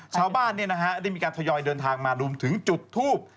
ชาวบ้านได้มีการทยอยเดินทางมารวมถึงจุดทูบ